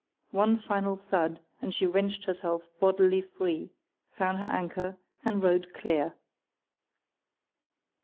One final thud and she wrenched herself bodily free, found her anchor, and rode clear.